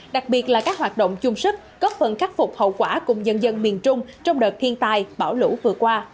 đặc biệt là các hoạt động chung sức góp phần khắc phục hậu quả cùng dân dân miền trung trong đợt thiên tai bão lũ vừa qua